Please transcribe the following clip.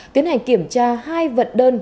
tiến hành kiểm tra hai vận đơn